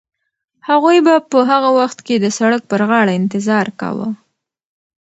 هغوی به په هغه وخت کې د سړک پر غاړه انتظار کاوه.